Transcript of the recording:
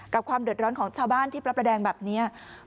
ความเดือดร้อนของชาวบ้านที่พระประแดงแบบนี้